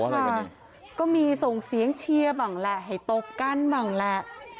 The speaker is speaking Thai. ค่ะก็มีส่งเสียงเชียร์บ้างแหละให้ตบกันบ้างแหละ